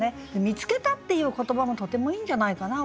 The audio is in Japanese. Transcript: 「見つけた」っていう言葉もとてもいいんじゃないかな。